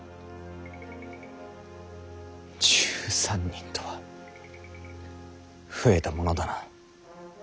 １３人とは増えたものだな。